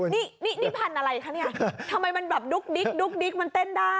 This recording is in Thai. นี่ผันอะไรคะเนี่ยทำไมมันแบบดุ๊กดิ๊กมันเต้นได้